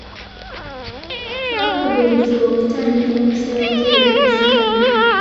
Twakubirizibwa okutandika empisa y'okutereka ensimbi.